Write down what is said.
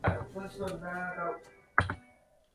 赛制同前一年。